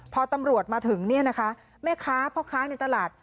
พอตำรวจมาถึงแม่ค้าพ่อค้าในตลาด